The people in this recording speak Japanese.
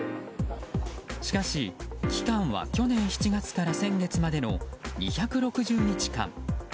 しかし期間は、去年７月から先月までの２６０日間。